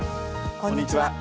こんにちは。